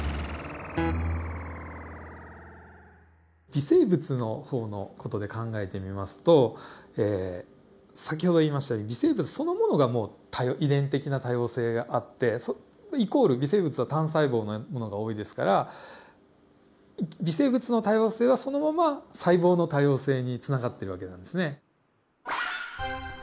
微生物の方の事で考えてみますと先程言いましたように微生物そのものがもう遺伝的な多様性があってイコール微生物は単細胞のものが多いですから微生物の多様性はそのまま細胞の多様性につながってる訳なんですね。